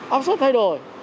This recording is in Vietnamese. áp suất thay đổi